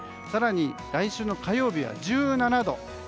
更に来週火曜日は１７度。